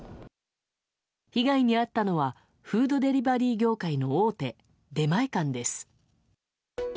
被害に遭ったのはフードデリバリー業界の大手出前館です。